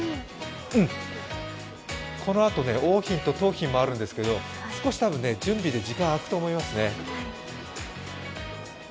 うん、このあと桜浜と桃浜もあるんですけど、少し準備で時間あくと思いますね。